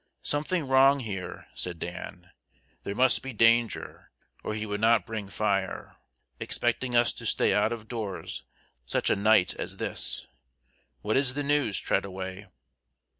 "Something wrong here," said Dan. "There must be danger, or he would not bring fire, expecting us to stay out of doors such a night as this. What is the news, Treadaway?"